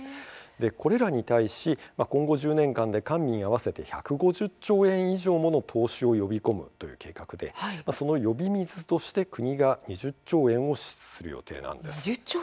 これらに対し今後１０年で官民合わせて１５０兆円以上もの投資を呼び込む計画でその呼び水として国が２０兆円を支出する予定です。